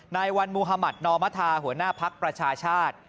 นายวันมุธมัธนอมธาหัวหน้าภักดิ์ประชาชาติ